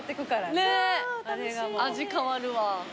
ねっ味変わるわ。